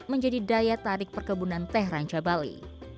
menjadi daya tarik perkebunan teh ranca bali